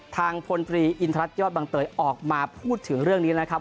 พลตรีอินทรัศนยอดบังเตยออกมาพูดถึงเรื่องนี้แล้วครับ